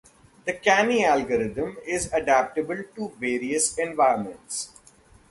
The Canny algorithm is adaptable to various environments.